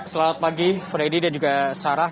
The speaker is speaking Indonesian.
selamat pagi freddy dan juga sarah